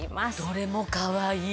どれもかわいい！